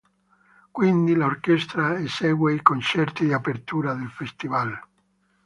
Quindi l'orchestra esegue i concerti di apertura del festival.